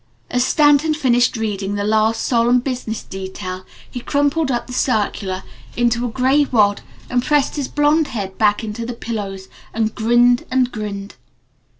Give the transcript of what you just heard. As Stanton finished reading the last solemn business detail he crumpled up the circular into a little gray wad, and pressed his blond head back into the pillows and grinned and grinned.